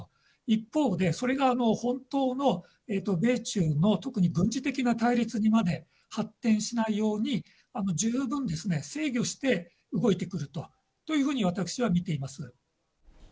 一方で、それが本当の米中の特に軍事的な対立にまで発展しないように、十分制御して動いてくるというふうに私は見ています。